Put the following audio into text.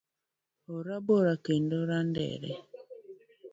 Orabora kendo randere